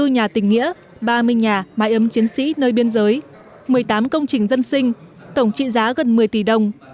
hai mươi nhà tình nghĩa ba mươi nhà mái ấm chiến sĩ nơi biên giới một mươi tám công trình dân sinh tổng trị giá gần một mươi tỷ đồng